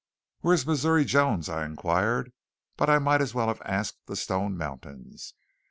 "Where's Missouri Jones?" I inquired; but I might as well have asked the stone mountains.